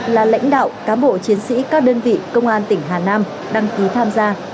là lãnh đạo cán bộ chiến sĩ các đơn vị công an tỉnh hà nam đăng ký tham gia